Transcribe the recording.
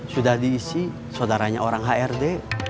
sudah diisi saudaranya orang hrd